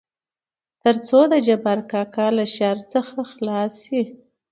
تر څو دجبار کاکا له شر څخه خلاص شي.